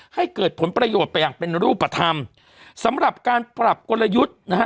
ให้เกิดผลประโยชน์ไปอย่างเป็นรูปธรรมสำหรับการปรับกลยุทธ์นะฮะ